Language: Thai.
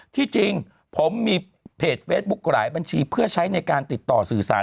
ที่จริงผมมีเพจเฟซบุ๊คหลายบัญชีเพื่อใช้ในการติดต่อสื่อสาร